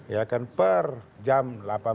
ya kan per jam delapan belas